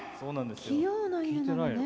器用な犬なのね。